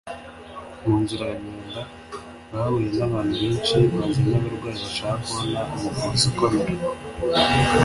mu nzira bagenda, bahuye n’abantu benshi bazanye abarwayi bashaka kubona umuvuzi ukomeye